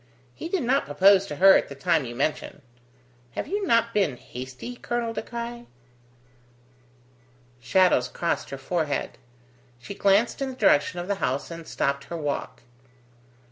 He did not propose to her at the time you mention. Have you not been hasty, Colonel De Craye?" Shadows crossed her forehead. She glanced in the direction of the house and stopped her walk.